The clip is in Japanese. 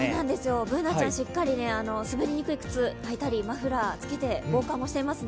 Ｂｏｏｎａちゃん、しっかり滑りにくい靴を履いたり、防寒対策していますね。